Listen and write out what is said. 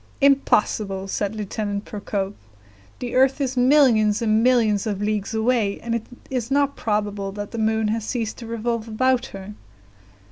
"Impossible!" said Lieutenant Procope; "the earth is millions and millions of leagues away, and it is not probable that the moon has ceased to revolve about her."